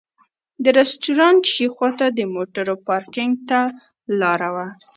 د رسټورانټ ښي خواته د موټرو پارکېنګ ته لاره وه.